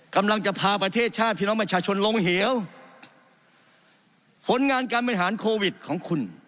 กำลังจะพาประเทศชาติพี่น้องประชาชนลงเหวผลงานการบริหารโควิดของคุณ